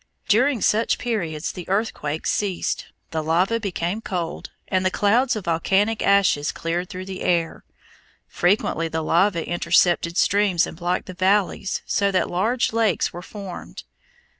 During such periods the earthquakes ceased, the lava became cold, and the clouds of volcanic ashes cleared from the air. Frequently the lava intercepted streams and blocked the valleys so that large lakes were formed.